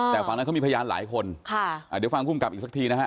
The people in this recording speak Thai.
แต่ฟังนั้นก็มายมีพยานหลายคนอาเดี๋ยวฟังคุณกลับอีกสักทีนะครับ